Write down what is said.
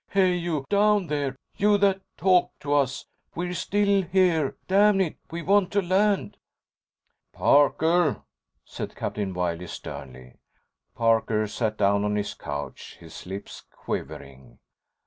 Hey, you! Down there—you that talked to us! We're still here, damn it! We want to land!" "Parker," said Captain Wiley, sternly. Parker sat down on his couch, his lips quivering.